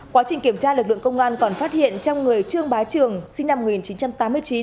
quá trình kiểm tra lực lượng công an còn phát hiện trong người trương bá trường sinh năm một nghìn chín trăm tám mươi chín